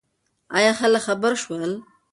ایا خلک خبر شول؟